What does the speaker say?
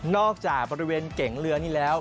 จากบริเวณเก๋งเรือนี่แล้ว